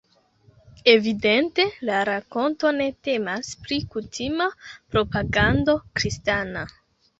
Evidente, la rakonto ne temas pri kutima propagando kristana.